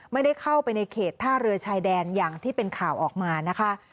ไม่ได้เข้าไปในเขตท่าเรือชายแดนอย่างที่เป็นข่าวออกมานะคะ